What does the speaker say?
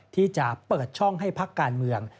ที่จะเปิดช่องให้พักการเมือง